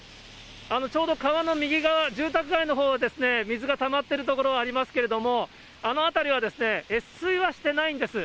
ちょうど川の右側、住宅街のほうですね、水がたまっている所ありますけれども、あの辺りは越水はしてないんです。